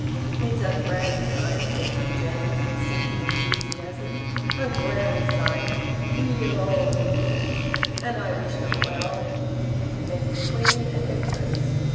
"It's a grand sight!" said Big James, with simple enthusiasm. "A grand sight! Real old English! And I wish her well!" He meant the Queen and Empress.